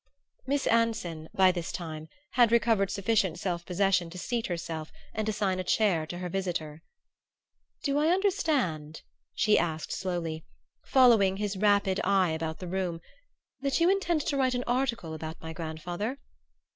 Miss Anson, by this time, had recovered sufficient self possession to seat herself and assign a chair to her visitor. "Do I understand," she asked slowly, following his rapid eye about the room, "that you intend to write an article about my grandfather?"